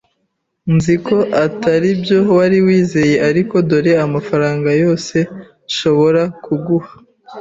Nzi ko atari byo wari wizeye, ariko dore amafaranga yose nshobora kuguha.